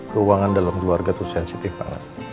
keuangan dalam keluarga itu sensitif banget